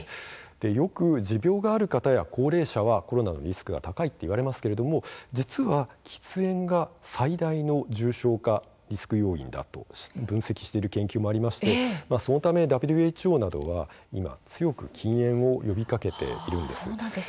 よく持病がある方や高齢者はコロナのリスクが高いといわれますけれども実は、喫煙は最大の重症化リスク要因だと分析している研究もありましてそのためＷＨＯなどは強く禁煙を呼びかけているんです。